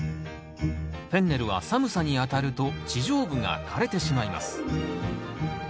フェンネルは寒さにあたると地上部が枯れてしまいます。